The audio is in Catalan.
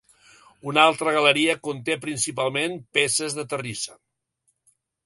Una altra galeria conté principalment peces de terrissa.